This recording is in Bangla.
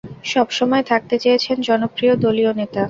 সব সময় থাকতে চেয়েছেন জনপ্রিয় দলীয় নেতা।